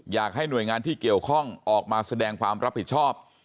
อยากให้หน่วยงานที่เกี่ยวข้องออกมาแสดงความรับผิดชอบ